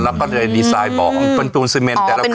แล้วก็เลยดีไซน์บ่ออืมเป็นตูนซีเมนต์อ๋อเป็นบ่อซีเมนต์